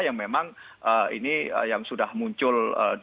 yang memang ini yang sudah muncul